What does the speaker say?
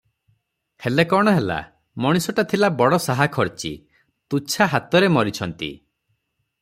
ହେଲେ କଣ ହେଲା, ମଣିଷଟା ଥିଲେ ବଡ଼ ସାହାଖର୍ଚ୍ଚୀ, ତୁଛା ହାତରେ ମରିଛନ୍ତି ।